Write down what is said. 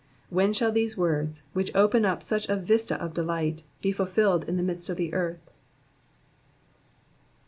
When shall these words, which open up such a vista of delight, be fulfilled in the midst of the earth